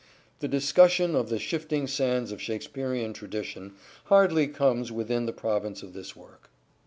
The discussion of the shifting sands of Shakespearean tradition hardly comes within the province of this work.